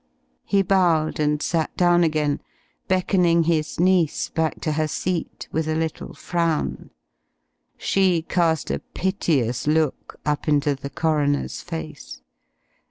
He bowed, and sat down again, beckoning his niece back to her seat with a little frown. She cast a piteous look up into the coroner's face.